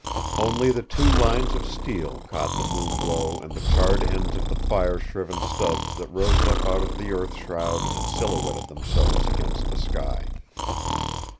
Only the two lines of steel caught the moon glow and the charred ends of the fire shriven stubs that rose up out of the earth shroud and silhouetted themselves against the sky.